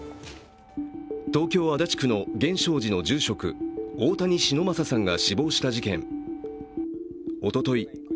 東京・足立区の源証寺の住職、大谷忍昌さんが死亡した事件。